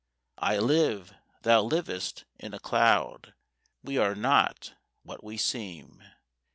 I live—thou livest in a cloud: We are not what we seem.